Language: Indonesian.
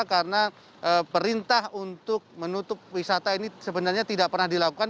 karena perintah untuk menutup wisata ini sebenarnya tidak pernah dilakukan